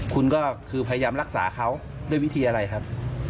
คุณก็คือพยายามรักษาเขาด้วยวิธีอะไรครับ